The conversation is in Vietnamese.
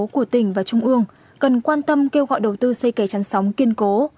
của tỉnh và trung ương cần quan tâm kêu gọi đầu tư xây kẻ chăn sóng kiên cố